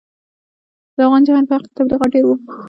د افغان جهاد په حق کې تبلیغات ډېر وو.